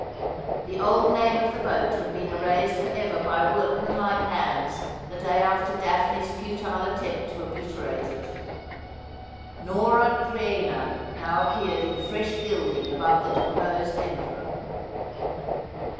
The old name of the boat had been erased for ever by workman like hands the day after Daphne's futile attempt to obliterate it. ' Nora Creina ' now appeared in fresh gilding above the deposed emperor.